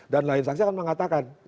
dan lain saksi akan mengatakan